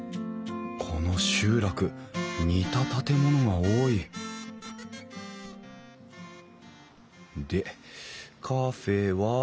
この集落似た建物が多いでカフェは？